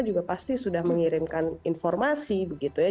jadi sudah mengirimkan informasi begitu ya